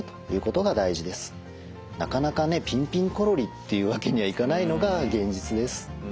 なかなかピンピンコロリっていうわけにはいかないのが現実です。